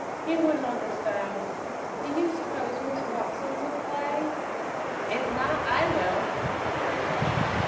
He wouldn't understand. Do you suppose Miss Watson would play?" "If not, I will," said Mary Rich.